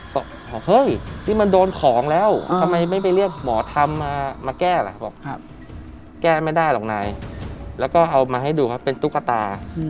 บอกเฮ้ยนี่มันโดนของแล้วทำไมไม่ไปเรียกหมอธรรมมาแก้ล่ะบอกแก้ไม่ได้หรอกนายแล้วก็เอามาให้ดูครับเป็นตุ๊กตา